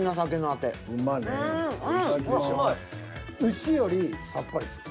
牛よりさっぱりしてる。